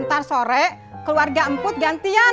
ntar sore keluarga emput gantian